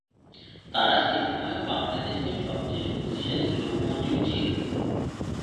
তারা সে সময়ে বাংলাদেশের সবচেয়ে শক্তিশালী লোকোমোটিভ ছিল।